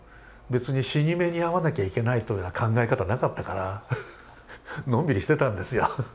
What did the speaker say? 別に死に目にあわなきゃいけないというような考え方なかったからのんびりしてたんですよ。